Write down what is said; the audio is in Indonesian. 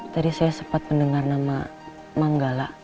tadi saya sempat mendengar nama manggala